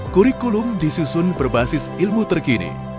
kurikulum disusun berbasis ilmu terkini